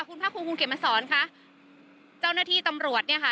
คุณภาคภูมิคุณเขียนมาสอนค่ะเจ้าหน้าที่ตำรวจเนี่ยค่ะ